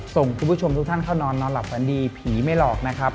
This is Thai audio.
ส่งคุณผู้ชมทุกท่านเข้านอนนอนหลับฝันดีผีไม่หลอกนะครับ